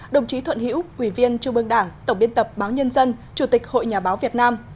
đồng chí thuận hiễu quỷ viên trung ương đảng tổng biên tập báo nhân dân chủ tịch hội nhà báo việt nam